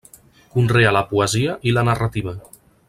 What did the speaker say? Conrea la poesia i la narrativa.